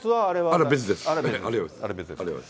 あれ別ですか。